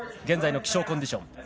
現在の気象コンディション